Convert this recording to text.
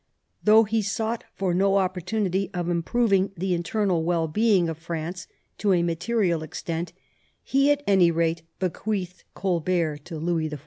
Though he sought for no oppor tunity of improving the internal wellbeing of France to a material extent^ he at any rate bequeathed Colbert to Louis XIV.